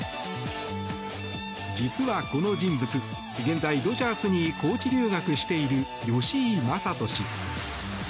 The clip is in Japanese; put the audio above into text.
実はこの人物、現在ドジャースにコーチ留学している吉井理人氏。